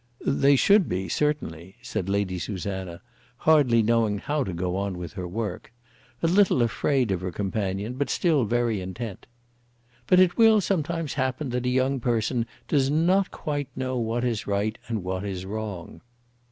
"They should be, certainly," said Lady Susanna, hardly knowing how to go on with her work; a little afraid of her companion, but still very intent. "But it will sometimes happen that a young person does not quite know what is right and what is wrong."